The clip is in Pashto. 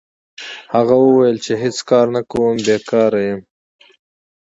هغه وویل چې هېڅ کار نه کوم او بیکاره یم.